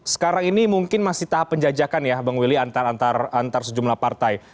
sekarang ini mungkin masih tahap penjajakan ya bang willy antar sejumlah partai